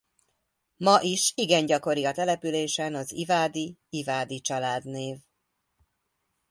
Ma is igen gyakori a településen az Ivády-Ivádi családnév.